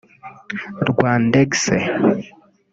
Rwandex